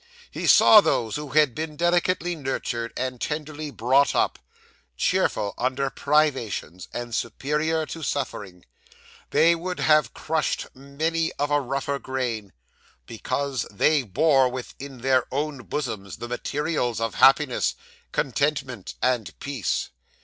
He saw those who had been delicately nurtured, and tenderly brought up, cheerful under privations, and superior to suffering, that would have crushed many of a rougher grain, because they bore within their own bosoms the materials of happiness, contentment, and peace.